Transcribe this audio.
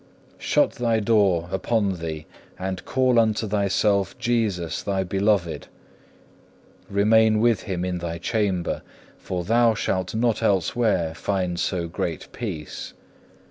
Shut thy door upon thee, and call unto thyself Jesus thy beloved. Remain with Him in thy chamber, for thou shalt not elsewhere find so great peace.